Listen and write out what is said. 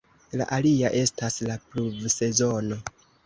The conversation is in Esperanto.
La alia estas la pluvsezono.